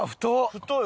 太い。